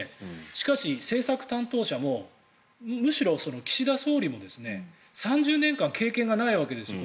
しかし政策担当者もむしろ岸田総理も３０年間、経験がないわけですよ